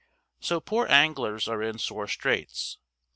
So poor anglers are in sore straits.